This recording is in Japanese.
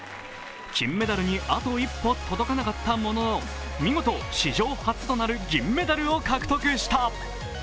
金メダルにあと一歩届かなかったものの、見事史上初となる銀メダルを獲得した。